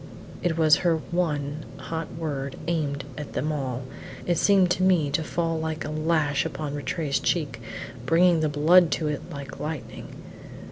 It was her one hot word; aimed at them all, it seemed to me to fall like a lash on Rattray's cheek, bringing the blood to it like lightning.